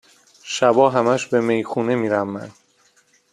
شبا همش به میخونه میرم من